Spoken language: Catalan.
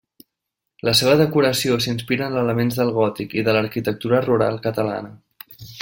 La seva decoració s'inspira en elements del gòtic i de l'arquitectura rural catalana.